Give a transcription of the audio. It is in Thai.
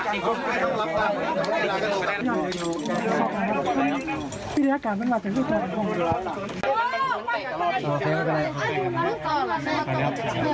น่าจะหิวละค่ะ